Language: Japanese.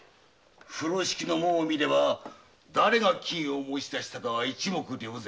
風呂敷の紋を見れば誰が金を持ち出したかは一目瞭然。